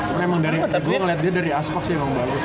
aku emang dari gue ngeliat dia dari aspak sih emang bagus